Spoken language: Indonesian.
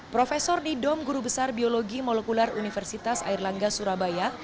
profesor di dom guru besar biologi molekular universitas air langga surabaya